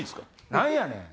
何やねん。